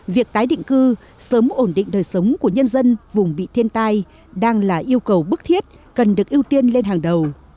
việc tái định cư sớm ổn định đời sống của nhân dân vùng bị thiên tai đang là yêu cầu bức thiết cần được ưu tiên lên hàng đầu